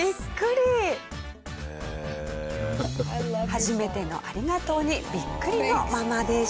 初めての「ありがとう」にビックリのママでした。